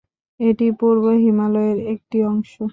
এটি পূর্ব হিমালয়ের একটি অংশ।